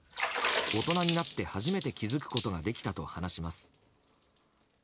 大人になって初めて気づくことができたと話します。